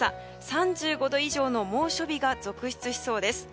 ３５度以上の猛暑日が続出しそうです。